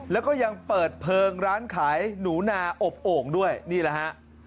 แล้วก็ยังเปิดเพลิงร้านขายหนูนาอบโอ่งด้วยนี่แหละฮะ